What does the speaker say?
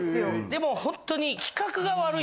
でもホントに。